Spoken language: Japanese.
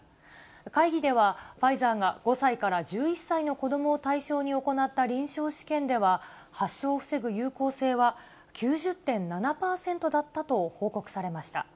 会議では、ファイザーが５歳から１１歳の子どもを対象に行った臨床試験では、発症を防ぐ有効性は９０．７％だったと報告されました。